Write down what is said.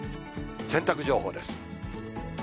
洗濯情報です。